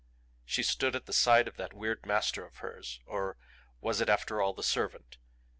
She stood at the side of that weird master of hers or was it after all the servant?